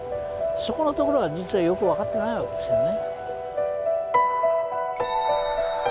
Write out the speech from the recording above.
そこのところは実はよく分かってない訳ですよね。